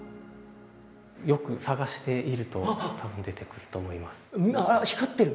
よく探していると多分出てくると思います。